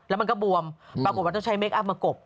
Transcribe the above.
แล้วมันก็บวมปรากฏว่าต้องใช้เคคอัพมากบ